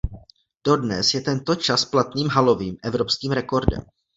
Dodnes je tento čas platným halovým evropským rekordem.